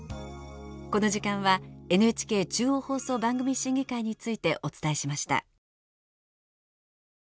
この時間はＮＨＫ中央放送番組審議会についてお伝えしました。